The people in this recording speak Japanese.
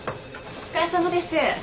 お疲れさまです。